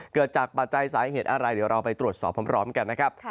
เกิดจากปัจจัยสาเหตุอะไรเดี๋ยวเราไปตรวจสอบพร้อมกันนะครับ